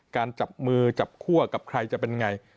การจับมือจับขั้วกับใครจะเป็นยังไง